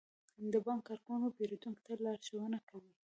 د بانک کارکونکي پیرودونکو ته لارښوونه کوي.